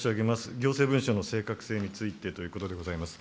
行政文書の正確性についてということでございます。